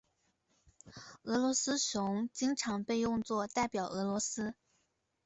俄罗斯熊经常被用作代表俄罗斯。